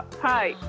はい。